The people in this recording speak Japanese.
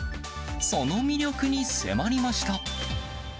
その魅力に迫りました。